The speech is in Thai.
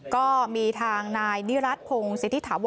ก็มีทางนายนิรัติพงศิษฐิถาวร